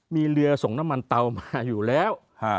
มีเรือส่งน้ำมันเตามาอยู่แล้ว